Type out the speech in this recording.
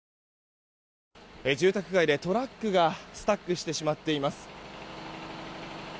住宅街でトラックがスタックしてしまっています。